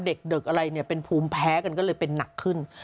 เด็กอะไรเนี่ยเป็นภูมิแพ้กันก็เลยเป็นหนักขึ้น